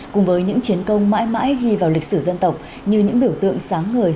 cùng với những chiến công mãi mãi ghi vào lịch sử dân tộc như những biểu tượng sáng ngời